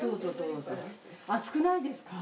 暑くないですか？